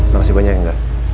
makasih banyak ya enggak